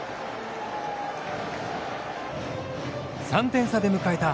３点差で迎えた